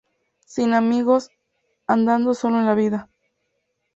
Sin amigos, andando solo en la vida.